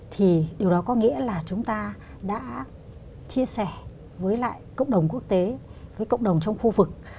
thì điều đó có nghĩa là chúng ta đã chia sẻ với lại cộng đồng quốc tế với cộng đồng trong khu vực